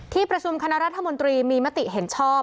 ที่ประชุมคณะรัฐมนตรีมีมติเห็นชอบ